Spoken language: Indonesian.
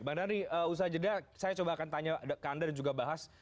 bang dhani usaha jeda saya coba akan tanya ke anda dan juga bahas